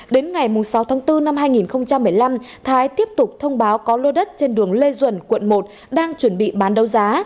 đến ngày sáu tháng bốn năm hai nghìn một mươi năm thái tiếp tục thông báo có lô đất trên đường lê duẩn quận một đang chuẩn bị bán đấu giá